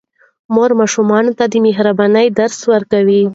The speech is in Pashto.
مور ماشومانو ته د مهربانۍ درس ورکوي.